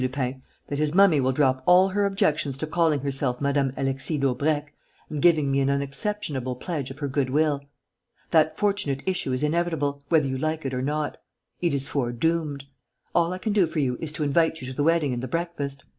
Lupin, that his mummy will drop all her objections to calling herself Mme. Alexis Daubrecq and giving me an unexceptionable pledge of her good will. That fortunate issue is inevitable, whether you like it or not. It is foredoomed. All I can do for you is to invite you to the wedding and the breakfast.